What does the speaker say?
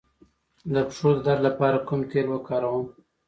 د پښو د درد لپاره کوم تېل وکاروم؟